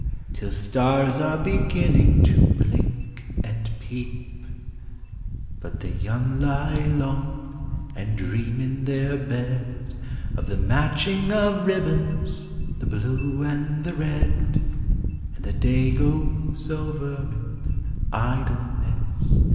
Till stars are beginning to blink and peep; But the young lie long and dream in their bed Of the matching of ribbons, the blue and the red, And their day goes over in idleness.